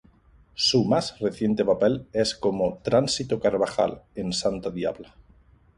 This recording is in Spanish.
Su más reciente papel es como "Tránsito Carvajal" en "Santa Diabla".